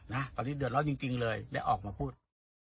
นะตอนนี้เดือดร้อนจริงเลยได้ออกมาพูด